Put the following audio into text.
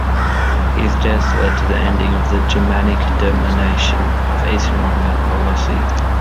His death led to the ending of the Germanic domination of Eastern Roman policy.